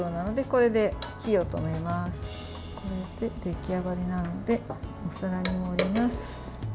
これで出来上がりなのでお皿に盛ります。